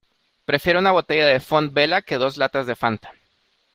Prefiero una botella de Font Vella que dos latas de Fanta.